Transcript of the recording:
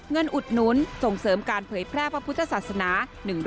อุดหนุนส่งเสริมการเผยแพร่พระพุทธศาสนา